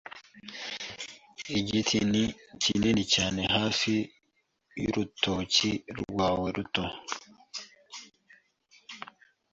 Igiti ni kinini cyane hafi y'urutoki rwawe ruto.